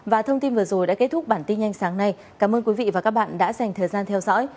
và thông tin vừa rồi đã kết thúc bản tin nhanh sáng nay cảm ơn quý vị và các bạn đã dành thời gian theo dõi